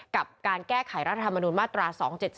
กับการแก้ไขรัฐธรรมนุนมาตรา๒๗๒